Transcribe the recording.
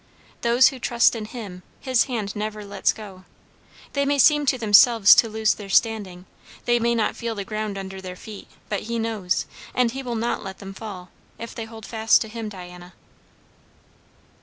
"Those who trust in him, his hand never lets go. They may seem to themselves to lose their standing they may not feel the ground under their feet but he knows; and he will not let them fall. If they hold fast to him, Diana."